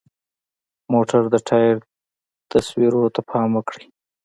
د موټر د ټایر تصویرو ته پام وکړئ.